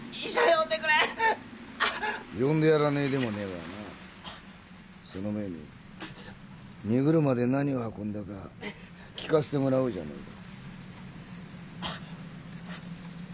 呼んでやらねえでもねえがなその前に荷車で何を運んだか聞かせてもらおうじゃねえか。